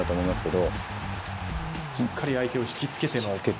しっかり相手をひきつけて。